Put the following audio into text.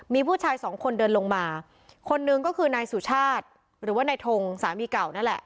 มีผู้ชายสองคนเดินลงมาคนนึงก็คือนายสุชาติหรือว่านายทงสามีเก่านั่นแหละ